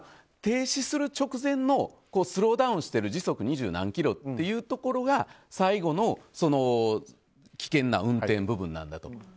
停止する直前のスローダウンしてる時速二十何キロというのが最後の危険な運転部分なんだと。